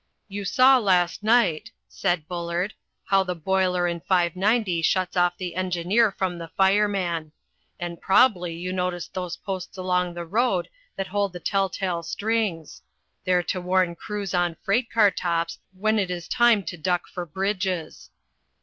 "You saw last night," said Bullard, "how the boiler in 590 shuts off the engineer from the fireman. And prob'ly you noticed those posts along the road that hold the tell tale strings. They're to warn crews on freight car tops when it is time to duck for bridges.